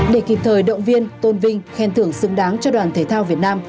để kịp thời động viên tôn vinh khen thưởng xứng đáng cho đoàn thể thao việt nam